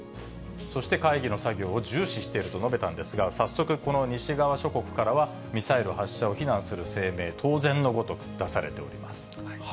そして会議の作業を重視していると述べたんですが、早速、この西側諸国からは、ミサイル発射を非難する声明、当然のごとく出されております。